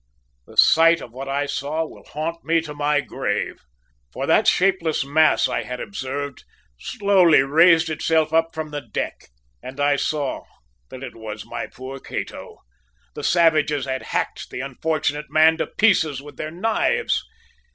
"The sight of what I saw will haunt me to my grave! "For the shapeless mass I had observed slowly raised itself up from the deck, and I saw that it was my poor Cato. The savages had hacked the unfortunate man to pieces with their knives!